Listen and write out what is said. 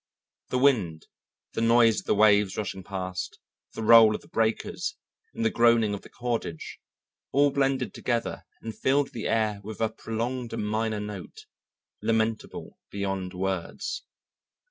The wind, the noise of the waves rushing past, the roll of the breakers and the groaning of the cordage all blended together and filled the air with a prolonged minor note, lamentable beyond words.